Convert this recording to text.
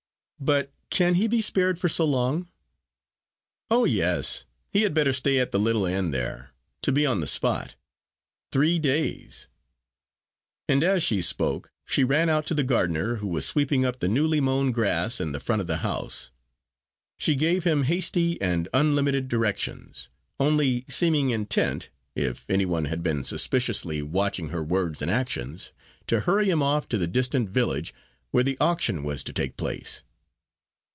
"But can he be spared for so long?" "Oh, yes; he had better stay at the little inn there, to be on the spot. Three days," and as she spoke, she ran out to the gardener, who was sweeping up the newly mown grass in the front of the house. She gave him hasty and unlimited directions, only seeming intent if any one had been suspiciously watching her words and actions to hurry him off to the distant village, where the auction was to take place.